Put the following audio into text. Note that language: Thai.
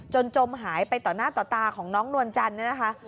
จมหายไปต่อหน้าต่อตาของน้องนวลจันทร์เนี่ยนะคะ